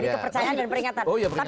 jadi kepercayaan dan peringatan